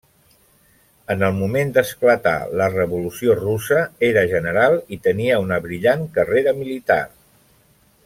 En el moment d'esclatar la revolució russa era general i tenia una brillant carrera militar.